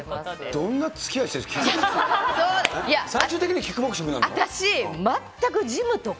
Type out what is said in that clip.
どんなつきあいしてるんですか。